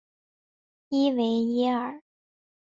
伊维耶尔。